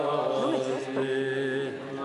¡Non é certo!